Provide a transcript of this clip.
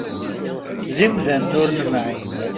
D imdanen ur nemɛin.